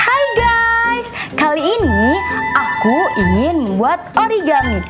hai guys kali ini aku ingin membuat origami